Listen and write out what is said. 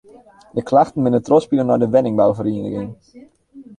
De klachten binne trochspile nei de wenningbouferieniging.